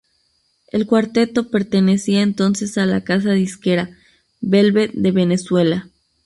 El cuarteto pertenecía entonces a la casa disquera "Velvet de Venezuela".